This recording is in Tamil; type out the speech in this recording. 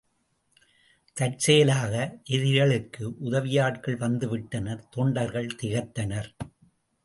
தற்செயலாக எதிரிகளுக்கு உதவியாட்கள் வந்துவிட்டனர் தொண்டர்கள் திகைத்தனர்.